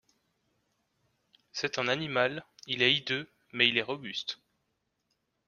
C'est un animal, il est hideux, mais il est robuste.